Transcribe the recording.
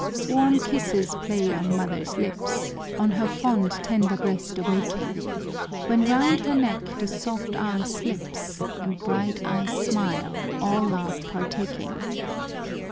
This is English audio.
Warm kisses play on mother's lips, On her fond, tender breast awaking; When round her neck the soft arm slips, And bright eyes smile, all love partaking.